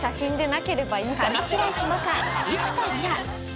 ［上白石萌歌幾田りら］